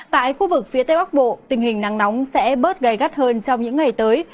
tại khu vực phía tây bắc bộ tình hình nắng nóng sẽ bớt gai gắt hơn trong những ngày tới